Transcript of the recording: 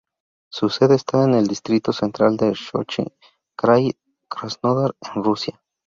Su sede está en el Distrito Central de Sochi, Krai de Krasnodar, en Rusia.